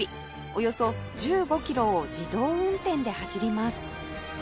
およそ１５キロを自動運転で走ります